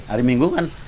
hari minggu kan